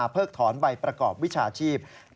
ถอนใบประกอบวิชาชีพ